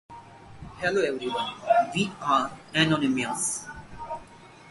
The size of the Post office doubled during his tenure, which implicated financial difficulties.